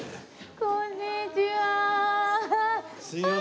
こんにちは。